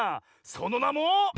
そのなも。